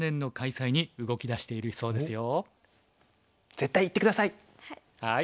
絶対行って下さい！